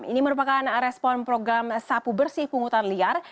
ini merupakan respon program sapu bersih pungutan liar